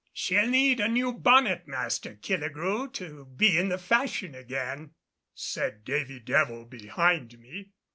"She'll need a new bonnet, Master Killigrew, to be in the fashion again," said Davy Devil behind me.